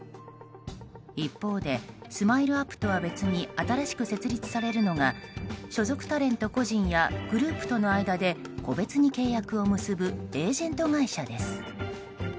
一方でＳＭＩＬＥ‐ＵＰ．とは別に新しく設立されるのが所属タレント個人やグループとの間で個別に契約を結ぶエージェント会社です。